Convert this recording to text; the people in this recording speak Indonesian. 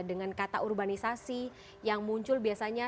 dengan kata urbanisasi yang muncul biasanya